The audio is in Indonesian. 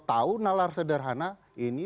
tahu nalar sederhana ini